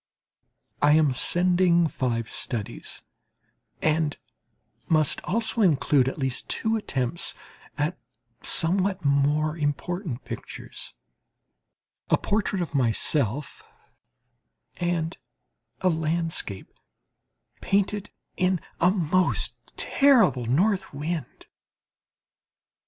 I am sending five studies, and must also include at least two attempts at somewhat more important pictures a portrait of myself and a landscape painted in a most terrible north wind.